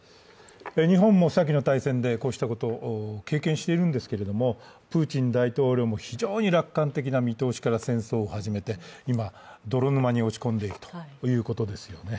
日本もさきの大戦でこうしたことを経験しているんですけれども、プーチン大統領も非常に楽観的な見通しから戦争を始めて今、泥沼に落ち込んでいるということですよね。